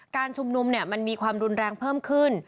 การชุมนุมมันมีความรุนแรงเพิ่มขึ้น